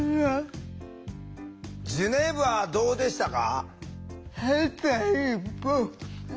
ジュネーブはどうでしたか？